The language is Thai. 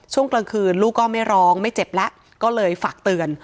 ช่วงกลางคืนลูกก็ไม่ร้องไม่เจ็บแล้วก็เลยฝากเตือน